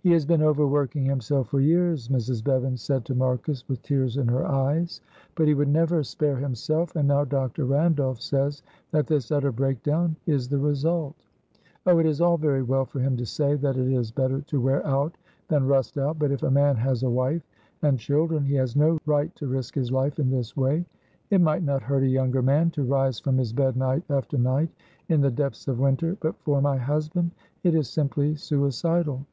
"He has been overworking himself for years," Mrs. Bevan said to Marcus, with tears in her eyes; "but he would never spare himself, and now Dr. Randolph says that this utter breakdown is the result. Oh, it is all very well for him to say that it is better to wear out than rust out, but if a man has a wife and children he has no right to risk his life in this way. It might not hurt a younger man to rise from his bed night after night in the depths of winter, but for my husband it is simply suicidal.